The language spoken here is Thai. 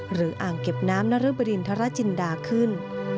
อ่างเก็บน้ำนรบริณฑรจินดาขึ้น